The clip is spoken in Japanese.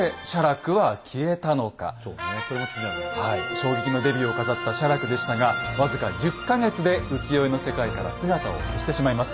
衝撃のデビューを飾った写楽でしたが僅か１０か月で浮世絵の世界から姿を消してしまいます。